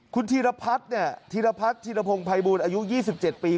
คุณธีรพัฒน์ธีรพงศ์ภัยบุญอายุ๒๗ปี